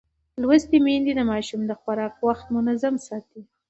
لوستې میندې د ماشوم د خوراک وخت منظم ساتي.